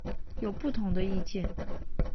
有不同的意見